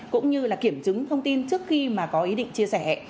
cũng như là kiểm chứng thông tin trước khi mà có ý định chia sẻ